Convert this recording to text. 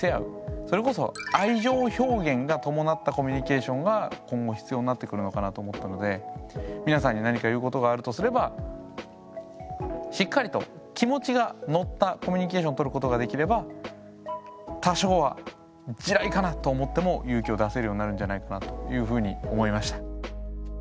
それこそ愛情表現が伴ったコミュニケーションが今後必要になってくるのかなと思ったのでミナさんに何か言うことがあるとすればしっかりと気持ちが乗ったコミュニケーションとることができれば多少は地雷かなと思っても勇気を出せるようになるんじゃないかなというふうに思いました。